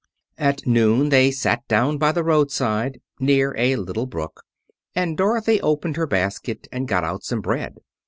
At noon they sat down by the roadside, near a little brook, and Dorothy opened her basket and got out some bread.